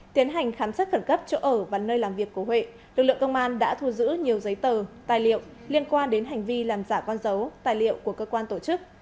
tiến hành khám xét khẩn cấp chỗ ở và nơi làm việc của huệ lực lượng công an đã thu giữ nhiều giấy tờ tài liệu liên quan đến hành vi làm giả con dấu tài liệu của cơ quan tổ chức